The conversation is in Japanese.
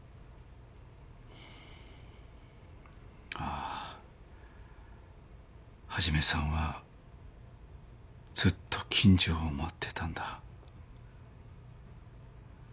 ああ一さんはずっと金城を待ってたんだ。